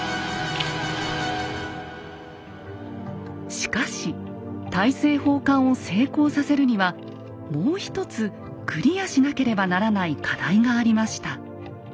しかし大政奉還を成功させるにはもう１つクリアしなければならない課題がありました。